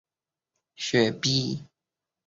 异株百里香是唇形科百里香属的植物。